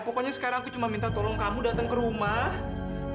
pokoknya sekarang aku cuma minta tolong kamu datang ke rumah